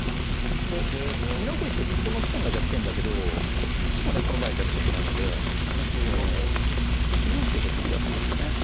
で美濃囲いってここの地点が弱点だけどこっちもねこの場合弱点なので９四桂と跳び出すんでしょうね。